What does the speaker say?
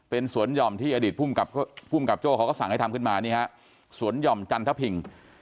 เป็นสวนห่อมที่อดีตภูมิกับโจ้เขาก็สั่งให้ทำขึ้นมานี่ฮะสวนหย่อมจันทพิง